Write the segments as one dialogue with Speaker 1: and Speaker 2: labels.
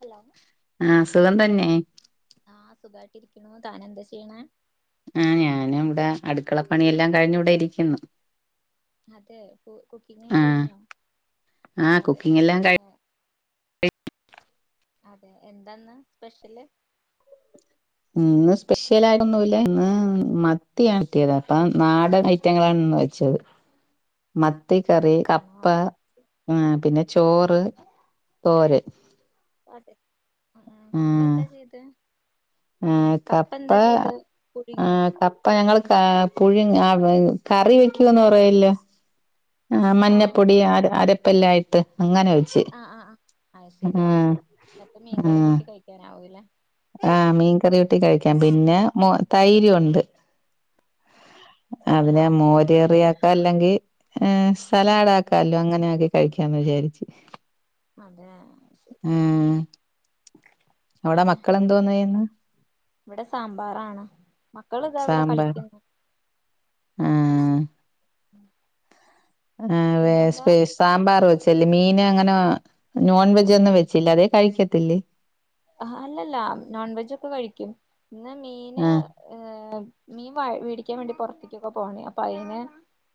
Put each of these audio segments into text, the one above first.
Speaker 1: Hello
Speaker 2: [inaudible] ആഹ് സുഖം തന്നെ
Speaker 1: സുഖയിട്ടിരിക്കുന്നു, താനെന്താ ചെയ്യ്ണേ?
Speaker 2: ആ ഞാനും താ അടുക്കളപ്പണിയെല്ലാം കഴിഞ്ഞ് ഇവിടെ ഇരിക്കുന്നു.
Speaker 1: അതെ, കു കുക്കിങ്ങോക്കെ
Speaker 2: ആഹ്
Speaker 1: കഴിഞ്ഞോ,
Speaker 2: ആഹ്
Speaker 1: അതെ
Speaker 2: കുക്കിംഗ് എല്ലാം കഴി
Speaker 1: [inaudible] മ് അതെ എന്താന്ന് സ്പെഷ്യല്
Speaker 2: ഇന്ന് സ്പെഷ്യലായൊന്നുല്ല. ഇന്ന് മത്തിയാണ് കിട്ടിയത്. അപ്പം നാടൻ ഐറ്റങ്ങളാണ് ഇന്ന് വെച്ചത്. മ ത്തി കറി കപ്പ,
Speaker 1: ആണോ അത്
Speaker 2: പിന്നെ ചോറ്, തോരൻ
Speaker 1: അതെ, കപ്പ എന്താ ചെയ്തെ
Speaker 2: ആ കപ്പ, ആ
Speaker 1: പുഴുങ്ങി വെ
Speaker 2: കപ്പ ഞങ്ങള് കാ പുഴു കറി വെക്കുന്ന് പറയല്ലോ? ആ മഞ്ഞപ്പൊടി അര അര എല്ലായിട്ട്.
Speaker 1: ആ ആ ആഹ് ശരി ഓക്കെ, ന്നിട്ട് മീൻകറി കൂട്ടി കഴിക്കാനാവുലെ
Speaker 2: ആ മീൻകറി കൂട്ടി കഴിക്കാം. പിന്നെ മൊ തൈരുണ്ട്. അതിനെ
Speaker 1: ഹലോ
Speaker 2: മോരറിയാ അതല്ലെങ്കി ഏഹ്
Speaker 1: ഉം
Speaker 2: സലാഡാക്കാല്ലോ അങ്ങനെ കഴിക്കാന്ന് വിചാരിച്ച്.
Speaker 1: അതെ
Speaker 2: ആഹ്
Speaker 1: അത്ശെരി [unintelligible] പിന്നെ
Speaker 2: മക്കളെന്തോന്നയ്യിന്ന്.
Speaker 1: വിടെ സാമ്പാറാണ്. മക്കള്താ ഇവിടെ
Speaker 2: സാമ്പാർ
Speaker 1: കളിക്ക്‌ന്ന് [inaudible] [inaudible]
Speaker 2: ആ [unintelligible] സാമ്പാർ വെച് മീന് അങ്ങനെ നോൺ വെജോന്നും വെച്ചില്ല, അല്ലെ കഴിക്കത്തില്ലേ?
Speaker 1: അല്ലല്ലാ, നോൺവെജോക്കെ കഴിക്കും. ഇന്ന്
Speaker 2: ആഹ്
Speaker 1: മീന്ഏഹ് മീൻ വ മേടിക്കാൻ വേണ്ടി പൊ ക്കൊക്കെ പോണേ, അപ്പൊ അയിന്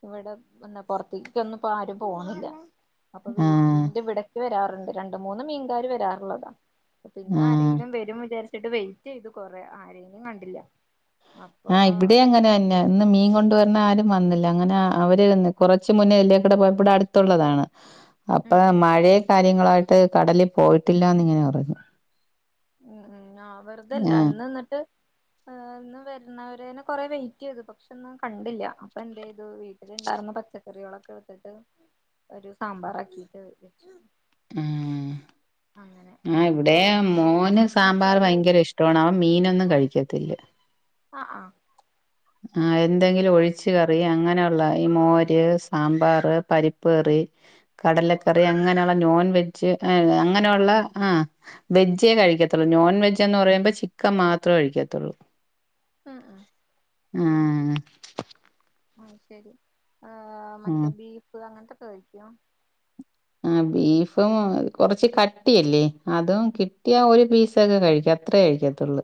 Speaker 1: ഇവിടെ ഇന്ന് പൊറത്തെക്കെക്കൊന്നും ആരും പോണില്ല. അപ്പൊ
Speaker 2: ആഹ്
Speaker 1: വീട്ടിന്റെ ഇവടക്ക് വരാർ രണ്ട് മൂന്ന് മീൻകാര് വെരാറുള്ളതാ. പിന്നെ
Speaker 2: ആഹ്
Speaker 1: ആരെങ്കിലും വരും വിചാരിച്ച്. എന്നിട്ട് വെയിറ്റ് ചെയ്തു കൊറെ ആരിലും കണ്ടില്ല അപ്പൊ
Speaker 2: ആാ ഇവടെ അങ്ങനെ തന്നെയന്നാ ഇന്ന് മീൻ കൊണ്ടുവരണയാരും- വന്നില്ല അങ്ങനെ അവര് കൊറച്ച് മുന്നേല്ലേക്കെടെ ഇവടെ അടുത്തുള്ളതാണ് അപ്പം
Speaker 1: ഉം
Speaker 2: മഴക്ക്യാ കാര്യങ്ങളായിട്ട് കടലിൽ പോയിട്ടില്ലായെന്ന് ഇങ്ങനെ പറഞ്ഞ്
Speaker 1: ഉം ഉം ആ വെറുതെല്ല്യാ ഇന്ന് എന്നിട്ട് എന്നും വെരന്നാവരനെ കൊറെ വെയിറ്റ് ചെയ്തു പശെ ഒന്നും കണ്ടില്ല അപ്പം എന്ത് ചെയ്തു വീട്ടില്ണ്ടാർന്ന പച്ചക്കറികളൊക്കെ എടുത്തിട്ട് ഒരു സാമ്പാറാക്കിട്ട് വെച്ചു
Speaker 2: ഉം
Speaker 1: അങ്ങനെ
Speaker 2: ആാ
Speaker 1: ഇനിയിപ്പോ
Speaker 2: ഇവടെയും മോന് സ് സാമ്പാറ്
Speaker 1: എന്നാച്ചാല്
Speaker 2: ഭയങ്കര ഇഷ്ടമാണ് അവൻ മീനൊന്നും കഴി യിക്കത്തില്ല [inaudible]
Speaker 1: ആാ ആാ
Speaker 2: ആാ എ എന്തെങ്കിലും ഒഴിച്ച് കറി അങ്ങനെ ഈ മോര്, സാമ്പാറ്, പരിപ്പ്ക്കറി, കടലക്കറി അങ്ങനെയെള്ള നോൺ വെജ് അങ്ങനെയുള്ള ആ വെജേ കഴിക്കത്തെള്ളൂ നോൺ വെജ് എന്ന് പറയുമ്പം ചിക്കൻ മാത്രമേ കഴിക്കത്തെള്ളൂ
Speaker 1: ആാ
Speaker 2: ആാ
Speaker 1: ആാ ശെരി ആാ
Speaker 2: ആഹ്
Speaker 1: മറ്റേ ബീപ്പ് അങ്ങനത്തെ [inaudible]
Speaker 2: ആ ബീഫും കൊറച്ച് കട്ടിയല്ലേ അതും കിട്ടിയാ ഒരു പീസൊക്കെ കഴിക്കോ അത്രേ കഴിക്കത്തെള്ളൂ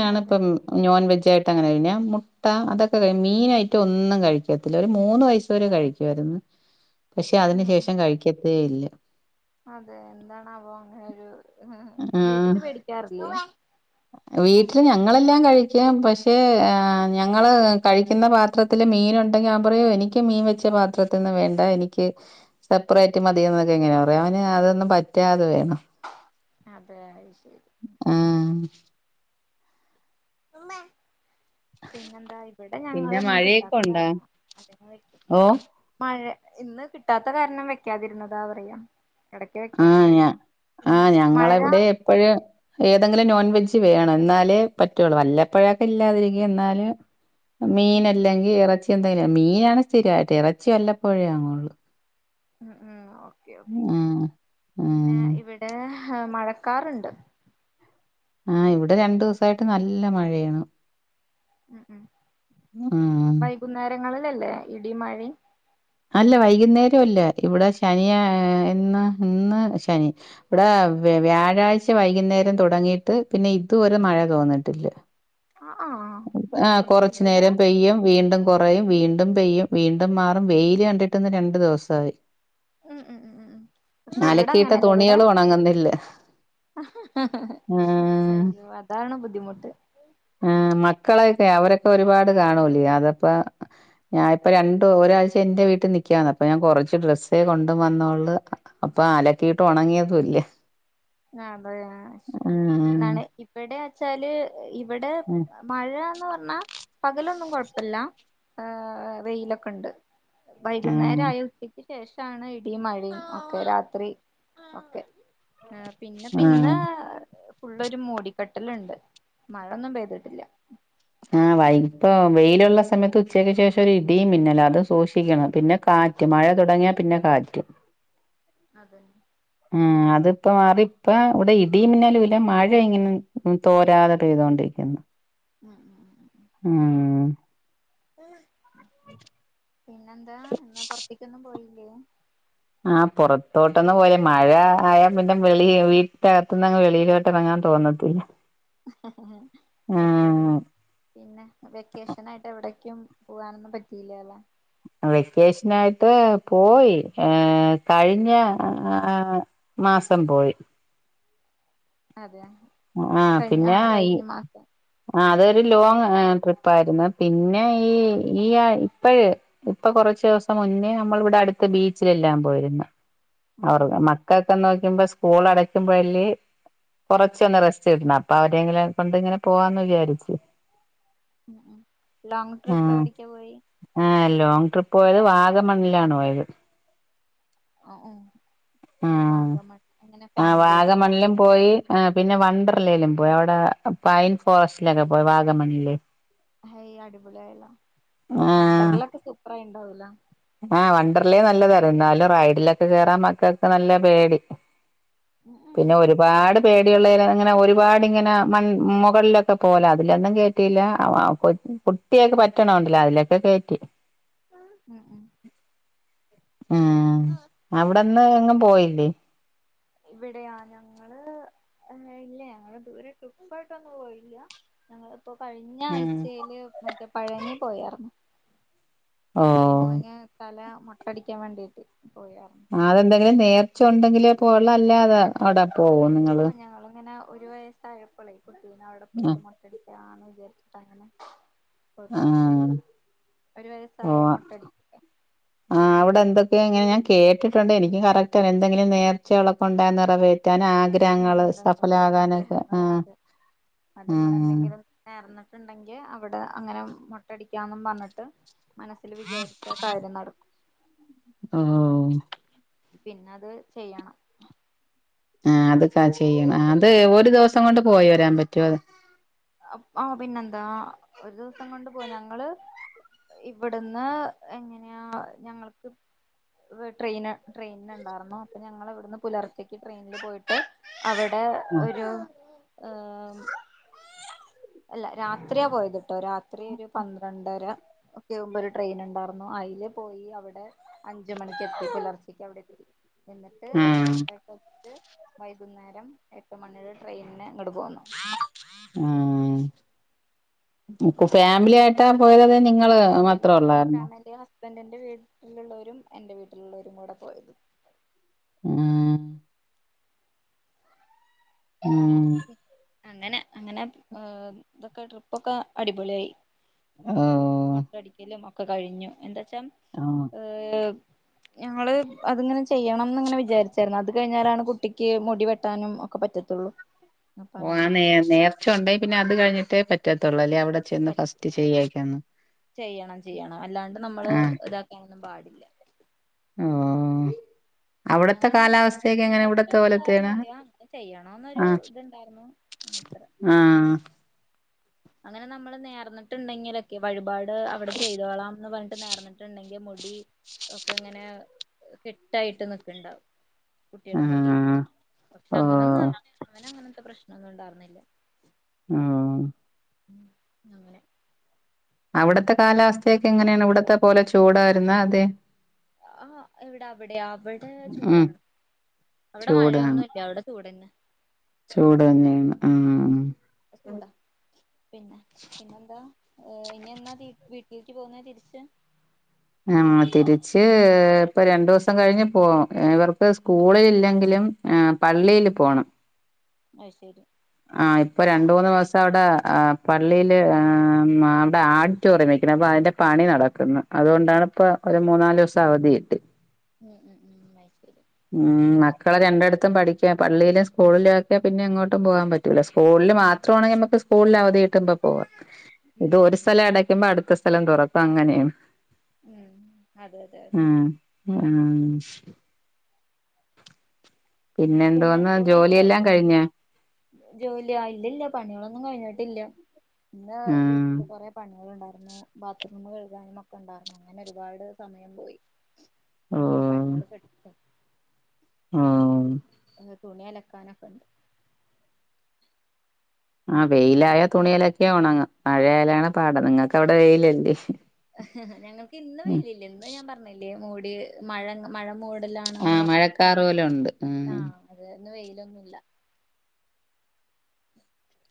Speaker 1: ആഹ് അതെ
Speaker 2: ഇപ്പം നോൺവെജ് അങ്ങനെ കഴിഞ്ഞ മെട്ടാ അതൊക്കെ മീൻ ഐറ്റം ഒന്നും കഴിക്കത്തില്ല ഒരു മൂന്ന് വയസ്സ് വരെ കഴിക്കുയിരുന്നു പശെ അതിന്
Speaker 1: ഉം ഉം
Speaker 2: ശേഷം കഴിക്ക ഏ ഇല്ല്യാ
Speaker 1: അതെ എന്താണ് ആവേ അങ്ങനെയെരു വീട്ടില് വോടിക്കാറില്ലേ
Speaker 2: വീട്ടില് ഞങ്ങളെല്ലാം കഴി പശെ ഞങ്ങള് കഴിക്കുന്ന പാത്രത്തില് മീന് ഒണ്ടെങ്കിൽ ഞാൻ പറയും എനിക്ക് മീൻ വെച്ച പാത്രത്തിന്ന് വേണ്ട എനിക്ക് സപ്പറേറ്റ് മതിന്ന് വെ എങ്ങനെയാ പറയും അവന് അതൊന്നും പറ്റ [unintelligible] തികയാതെ വരും
Speaker 1: അതെ ശരിയായ
Speaker 2: ആ
Speaker 1: അമ്മേ പിന്നെന്താ ഇവടെ
Speaker 2: പിന്നെ
Speaker 1: ഞങ്ങനളെന്നും
Speaker 2: മഴയൊക്കെ
Speaker 1: കിട്ടാത്താ
Speaker 2: ഉണ്ടോ
Speaker 1: കാരണം
Speaker 2: ഓ
Speaker 1: [inaudible] മഴ- ഇന്ന് കിട്ടാത്ത കാരണം വെക്കാതിരുന്നതാ പറയാം
Speaker 2: ആ ഞ ആ ഞങ്ങള
Speaker 1: മഴ
Speaker 2: വിടെ എപ്പഴും ഏതെങ്കിലും നോൺവെജ്- വേണം എന്നാലെ പറ്റൊള്ളൂ വല്ലപ്പഴൊക്കെ ഇല്ലാതിരിക്കും എന്നാലും
Speaker 1: ഉം
Speaker 2: മീനല്ലെങ്കി ഇറച്ചി [unintelligible] മീനാണ് സ്ഥിരായിട്ട് എറച്ചി വല്ലപ്പോഴേ വാങ്ങോള്ളൂ
Speaker 1: ഉം ഉം ഒ [unintelligible]
Speaker 2: ഉം
Speaker 1: പിന്നെ ഇവ്ടെ ഹാ മഴക്കാറ്ണ്ട്
Speaker 2: ആ ഇവിടെ രണ്ടു ദിവസായിട്ട് നല്ല മഴയാണ്
Speaker 1: ഉം ഉം
Speaker 2: ഉം
Speaker 1: വൈകുന്നേരങ്ങള് ന്നല്ലേ ഇടിമയിം
Speaker 2: അല്ല വൈക്ന്നേരം അല്ല ഇവ്ടെ ശനിയാ ഇന്ന് ഇന്ന് ശനി ഇവ്ടെ വ വ്യാഴാഴ്ച വൈക്ന്നേരം തുടങ്ങിട്ട് പിന്നെ ഇതുവരെ മഴ തോന്ന്ട്ടില്ല
Speaker 1: ആ ആ
Speaker 2: ആഹ്
Speaker 1: പക്ഷെ
Speaker 2: കോറച്ച്
Speaker 1: ഇവിടെ
Speaker 2: നേരം പെയ്യും വീണ്ടും കോറയും വീണ്ടും പെയ്യും വീ മാറും വെയി... ല് കണ്ടിട്ട്ന്ന് രണ്ടു ദിവസായി
Speaker 1: ഉം ഉം ഉം ഉം പക്ഷെ എവിടെ
Speaker 2: അലക്കിയിട്ട
Speaker 1: അങ്ങനെല്ല ഇവിടെ
Speaker 2: തുണികൾ ഉണങ്ങുന്നില്ല ഉം
Speaker 1: അയ്യോ അതാണ് ബുദ്ധിമുട്ട്
Speaker 2: മക്കളെക്കെ അവരൊക്കെ ഒരുപാട് കാണൂലേ അതപ്പാ ഞാനിപ്പോ രണ്ട്ടു ഒരാഴ്ച... എന്റെ വീട്ടിനിക്കാന്ന് അപ്പൊ ഞാൻ കുറച്ച് ഡ്രസ്സെകൊണ്ടുവന്നോള്ളു അപ്പൊ ആലക്കിട്ട് ഉണങ്ങിതുല്ല
Speaker 1: ആ അതയാശ എന്നാണ് ഇപ്പടെ ച്ചാല്... ഇവിടെ
Speaker 2: ഉം
Speaker 1: മഴന്നു പറഞ്ഞാ... പകലൊന്നും കൊഴപ്പല്ല ഏ വെയിലൊക്കെണ്ട്
Speaker 2: ഉം
Speaker 1: വൈകുന്നേരം ആയ ഉച്ചക്ക് ഷ് ക്ക് ശേഷാണ് ഇടിംമഴയും ഒക്കെ രാത്രി ഒക്കെ ആ പിന്നെ
Speaker 2: ഉം
Speaker 1: പിന്നെ ഫുള്ളൊരു മൂടിക്കട്ടല്ണ്ട് മഴയൊന്നും പെയ്തിട്ടില്ല
Speaker 2: ആ വൈ ഇപ്പൊ വെയിലുള്ള സമയത്ത് ഉച്ചക്ക് ശേഷം ഒരു ഇടിയും മിന്നലാ അത് സൂക്ഷിക്കണം പിന്നെ കാറ്റും മഴ തുടങ്ങിയാ പിന്നെ കാറ്റും
Speaker 1: അതന്നെ
Speaker 2: ആഹ് അതിപ്പ മാറി ഇപ്പ ഇവിടെ ഇടിമിന്നലുല്ലമഴ ഇങ്ങനെ തോരാതെ പെയ്തൊണ്ടിരിക്ക്ന്നു
Speaker 1: ഉം ഉം
Speaker 2: ആഹ്
Speaker 1: ഉം പിന്നെന്താ എന്ന പുറത്തേക്കൊന്നും പോയി ല്ലേ
Speaker 2: ആ പൊറത്തോട്ടന്ന് പോയില മഴ ആയാ പിന്നെ വെിളി വീട്ടകത്തുന്ന്ങ്ങ് വെളിയിലോട്ട് ഇറങ്ങാൻ തോന്നത്തില്ല
Speaker 1: അയ്ശരി
Speaker 2: ആഹ്
Speaker 1: പിന്നെ വെക്കേഷൻ ആയിട്ട് എവിടക്കും പൂവാനൊന്നും പറ്റീല്ലാല്ലേ
Speaker 2: അ വെക്കേഷനായിട്ട് പോയി കഴിഞ്ഞ മാസം പോയി
Speaker 1: അതെ
Speaker 2: ആ
Speaker 1: കഴിഞ്ഞ
Speaker 2: പിന്നെ ആ ഈ
Speaker 1: കഴിഞ്ഞ മാസം
Speaker 2: അതൊരു ലോ
Speaker 1: ഇനിയിപ്പോ
Speaker 2: പിന്നെ ഈ ഈആഴ് ഇപ്പഴ് ഇപ്പ കൊറച്ചുസം
Speaker 1: ഉം ഉം
Speaker 2: അവർഗ
Speaker 1: ഉം
Speaker 2: മക്കക്കെന്നോ ഞ് പസ്കൂൾ അടക്കുമ്പഴല്ലേ കൊറച്ചോ റച്ചൊന്ന് റസ്റ്റ് കിട്ട്ണ അപ്പ അവരെങ്കില കൊണ്ട് ഇങ്ങനെ പോവാന്ന് വിജാരിച്
Speaker 1: ലോങ് ട്രിപ്പ് എവിടിക്കാ പോയി
Speaker 2: ആഹ് ലോങ് ട്രിപ്പ് പോയത് വാഗമണ്ണിലാണ് പോയത്
Speaker 1: അഹ്
Speaker 2: ആഹ്
Speaker 1: വാഗമണ്ണിൽ എങ്ങനെ
Speaker 2: ആഹ്
Speaker 1: ഫാമിലി ട്ടൂറാണോ
Speaker 2: വാഗമണിലും പോയി ആഹ് പിന്നെ വണ്ടർലയിലും പോയി അവിടെ പൈൻ ഫോറസ്റ്റിലൊക്കെ പോയി വാഗമണ്ണില്
Speaker 1: ഹൈ അടിപൊളിയായല്ലോ വണ്ടർലൊക്കെ സൂപ്പർയിണ്ട് [unintelligible]
Speaker 2: ആ വണ്ടർലെനല്ലതാർ എന്നാലും റൈഡിലൊക്കെ കേറാൻ മക്കക്ക് നല്ല പേടി
Speaker 1: ഉം
Speaker 2: പിന്നെ ഒരുപാട് പേടിയുള്ളയിനെ ഇങ്ങനെ ഒരുപാടിങ്ങനെ മൺ മുകളിലൊക്കെ പോല അതിലൊന്നും കേറ്റില്ല വ പൊൻ കുട്ടിയൊക്കെ പറ്റണണ്ടില്ല അതിലൊക്കെ കേറ്റി
Speaker 1: ഹ് ഹ് മ്
Speaker 2: ആഹ്‌
Speaker 1: ഉം
Speaker 2: അവിട ഇന്നാ ഞങ്ങ പോയില്ലേ
Speaker 1: ഇവിടെയാ ഞങ്ങള് ഹേയ് ഇല്ല ഞങ്ങള് ട്രിപ്പായിട്ടൊന്നും പോയില്ല കഴിഞ്ഞ
Speaker 2: ഉം
Speaker 1: ആഴ്ചയില് മറ്റേ പഴനി പോയർ പൊ
Speaker 2: ഓ
Speaker 1: മോന് തല മൊട്ടടിക്കാൻ വേണ്ടിട്ട് പോയാർന്നു
Speaker 2: ആഹ്‌ അതെന്തെങ്കിലും നേർച്ച ഉണ്ടെങ്കിൽ ങ്കെ പോല അല്ലേ അത് അവടെ
Speaker 1: ആഹ് ഞങ്ങളിങ്ങനെ ഒരു വയസ്സായപ്പളേ ട്ടീനവിടെ
Speaker 2: ആഹ്
Speaker 1: പോയിട്ട് മോട്ടടി ആ വിജാരിച്ചിട്ടങ്ങനെ പോയിട്ട്
Speaker 2: ആഹ്
Speaker 1: മൊട്ടടിച്ച് ഒരു
Speaker 2: ഓ
Speaker 1: വയസായ മൊ ട്ടടിക്ക
Speaker 2: ക്കെ എങ്ങനെ ഞാൻ കേട്ടിട്ടുണ്ട് എനിക്ക് കറക്റ്റ് അറ എന്തെങ്കിലും നേർച്ചയുള്ളപ്പോ ഉണ്ടായാനെർവർ
Speaker 1: ഉണ്ട് ഉണ്ട് ണ്ട്ണ്ട് ആഗ്രഹങ്ങൾ
Speaker 2: ആഹ്
Speaker 1: അത്
Speaker 2: ഉം
Speaker 1: അതമ്മളെന്തെങ്കിലും ണ്ടെങ്കി അവിടെ അങ്ങനെ മുട്ടടിക്കാന്നും പറഞ്ഞിട്ട് മനസ്സിൽ വിചാരിച്ച കാര്യം നടക്കും
Speaker 2: ഓ
Speaker 1: പിന്നെ അത് ചെയ്യണം
Speaker 2: ആ അത്ക്ക ചെയ്യണം ആ [unintelligible] ഒരു
Speaker 1: ഉം
Speaker 2: ദിവസം കൊണ്ട് പോയോ രാൻ പറ്റുവോ
Speaker 1: ആ പിന്നെന്താ ഒരു ദിവസം കൊണ്ട് പോയി ഞങ്ങള് ഇവിടുന്ന് എങ്ങനെയാ ഞങ്ങൾക്ക് ട്രെയിന് ട്രെയിനിണ്ടാരുന്നു അപ്പോ ഞങ്ങൾ ഇവിടുന്ന് പുലർച്ചക്ക് ട്രെയിനിൽ പോയിട്ട് അവിടെ ഒരു അല്ല രാത്രിയാ പോയത്. രാത്രി ഒരു പന്ത്രണ്ടര ക്ക്‌ ‌ മുമ്പ് ഒരു ട്രെയിനുണ്ടാർന്നു അയില് പോയി അവിടെ അഞ്ച് മണിക്ക് എത്തി പുലർച്ചക്ക് അവിടെത്തി. എന്നിട്ട്
Speaker 2: ആഹ്
Speaker 1: [unintelligible] വൈകുന്നേരം എട്ട് മണീടെ ട്രെയിനിന് ഇങ്ങട് പോന്നു.
Speaker 2: ആഹ് [inaudible]
Speaker 1: അങ്ങനെ
Speaker 2: ഫാമിലി ആയിട്ടാ പോയത് നി ങ്ങള് മാത്രൊള്ളാരുന്നോ?
Speaker 1: സ്ബെന്റിന്റെ വീട്ടിലുള്ളവരും എന്റെ വീട്ടിലുള്ളവരും കൂടെ പോയത്.
Speaker 2: ആഹ് ഉം
Speaker 1: അങ്ങനെ അങ്ങനെ ഇതൊക്കെ ട്രിപ്പൊക്കെ അടിപൊളിയായി.
Speaker 2: ഓഹ്
Speaker 1: മൊട്ട അടിക്കലും ഒക്കെകഴിഞ്ഞു എന്ത [unintelligible]
Speaker 2: ആഹ്
Speaker 1: ഏഹ് ഞങ്ങള് അതിങ്ങനെ ചെയ്യണം ന്ന്ങ്ങനെ വിചാരിച്ചാര്ന്നു. അത് കഴിഞ്ഞാലാണ് കുട്ടിക്ക് മുടി വെട്ടാനും ഒക്കെ പറ്റത്തൊള്ളൂ
Speaker 2: ഓ ആ നേ നേർച്ച ഒണ്ടേ പിന്നെ അത് കഴിഞ്ഞി ട്ടെ പറ്റത്തൊള്ളല്ലെ അവ
Speaker 1: ചെയ്യണം ചെയ്യണം അല്ലാണ്ട് നമ്മള്
Speaker 2: ആഹ്
Speaker 1: ഇതാക്കാനൊ ന്നും പാടില്ല
Speaker 2: ഓഹ് അവിടത്തെ
Speaker 1: ഞങ്ങളങ്ങനെ
Speaker 2: കാലാവസ്ഥയൊക്കെ എങ്ങനെ ഇവിടത്തെ
Speaker 1: നേർച്ചയൊന്നും
Speaker 2: പോലത്തെയാണോ
Speaker 1: ഇണ്ടാരുന്നില്ല. അത്രെ
Speaker 2: ആഹ് ആഹ്
Speaker 1: അങ്ങനെ നമ്മള് നേർന്നിട്ടുണ്ടെങ്കിലൊക്കെ വഴിപാട് അവിടെ ചെയ്തോളാം എന്ന് പറഞ്ഞിട്ട് നേർന്നിട്ടുണ്ടെങ്കിൽ മു ടി ഒക്കെ ഇങ്ങനെ കെട്ടായിട്ട് നിക്ക്ണ്ടാവും. കുട്ടിയുടെ മുടി.
Speaker 2: ആഹ്
Speaker 1: പക്ഷെ അങ്ങനൊന്നും
Speaker 2: ഓഹ്
Speaker 1: അവന് അവനങ്ങനത്തെ പ്രശ് നങ്ങൾ ഉണ്ടാർന്നില്ല.
Speaker 2: ആ
Speaker 1: അങ്ങനെ
Speaker 2: അവിടുത്തെ
Speaker 1: പിന്നെ
Speaker 2: കാലാവസ്ഥയൊക്കെ ങ്ങനെയാണ് ഇവിടത്തെ പോലെ ചൂടാരുന്നതെ
Speaker 1: ആ എവിട അവിടെയാ ഇവിടെ
Speaker 2: ഉം
Speaker 1: ചൂടാണ് അവിടെ
Speaker 2: ചൂടാണ്
Speaker 1: മഴയൊന്നുല്ല അവിടെ ചൂട്ന്നെ
Speaker 2: ചൂട് തന്നെയാണ് ഉം
Speaker 1: ചൂട പിന്നെ പിന്നെന്താ ഇനിയെന്നാ വീട്ടിക് എണീറ്റ്ക്ക് പോകുന്ന തിരിച്ച
Speaker 2: ആം തിരിച്ച് ഇപ്പൊ രണ്ടു ദിവസം കഴിഞ്ഞ് പോകും ഇവർക്ക് സ്കൂളിൽ ഇല്ലെങ്കിലും പള്ളിയില് പോണം
Speaker 1: അത്ശരി
Speaker 2: ആ ഇപ്പൊ രണ്ടു മൂന്ന് ദിവസം അവിടെ പള്ളിയില് അവിടെ ആഡിറ്റോറിയം വക്കണ അപ്പൊ അതിന്റെ പണി നടക്കുന്നു അതുകൊണ്ടാണ് ഇപ്പൊ ഒരു മൂന്നാലു ദിവസം അവധി ഇട്ട്
Speaker 1: [inaudible]
Speaker 2: ഉം മക്കളെ രണ്ടടത്തും പഠിക്കാ പള്ളിയിലും സ്കൂളിലു വൊക്കെ പിന്നെ എങ്ങോട്ടും പോകാൻ പറ്റൂല സ്കൂളില് മാത്രമാണെങ്കിൽ നമുക്ക് സ്കൂളിൽ അവധി കിട്ടുമ്പ
Speaker 1: ഉം
Speaker 2: പോവാഇത് ഒരു സ്ഥലം ഇടയ്ക്കുമ്പോ അടുത് ഇ സ്ഥലം തുറക്കാ അങ്ങനെയും
Speaker 1: ഉം അതെ അതെ അതെ
Speaker 2: ആ പിന്നെ എന്ത വന്ന് ജോലിയെല്ലാം കഴിഞ്ഞാ
Speaker 1: ജോലിയാ ഇല്ലല്ല പണികളൊന്നും കഴിഞ്ഞട്ടില്ല പിന്ന
Speaker 2: ഉം
Speaker 1: വീട്ടില് കൊറെ പണികളുണ്ടായി ബാത്റൂം കഴുകാനും ഒക്കെ ഉണ്ടായിരുന്നു അങ്ങനെ ഒരുപാട് സമയം പോയി ഇങ്ങ പണ്ടള് കടിച്ച
Speaker 2: ആ
Speaker 1: ഏ തുണിയലക്കാനൊക്കെണ്ട്
Speaker 2: ആ വെയിലായാ തുണിയലക്കിയാ ഒണങ്ങുംമഴയാലാണ് പാട് നിങ്ങൾക്കവിടെ വെയിലല്ലേ
Speaker 1: ഹഹഹ ഞങ്ങക്ക് ഇന്ന്
Speaker 2: ഉം.
Speaker 1: വെയിലില്ല ഇന്ന് ഞാൻ പറഞ്ഞില്ലേ മൂടി മഴയങ്ങ് മഴ മൂടലാണോന്ന്
Speaker 2: ആഹ്
Speaker 1: പറഞ്ഞ
Speaker 2: മഴക്കാറ് പോലുണ്ട്.
Speaker 1: ആ
Speaker 2: ഉം.
Speaker 1: അതൊണ്ട് വെയിലൊന്നുമല്ല [inaudible]